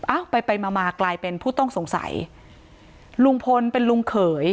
อ้าวไปไปมามากลายเป็นผู้ต้องสงสัยลุงพลเป็นลุงเขย